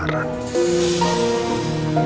kalau tadi dia temui aldebaran